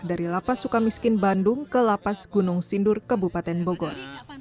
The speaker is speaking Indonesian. dari lapas sukamiskin bandung ke lapas gunung sindur kebupaten bogor